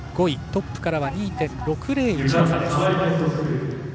トップからは２．６０１の差です。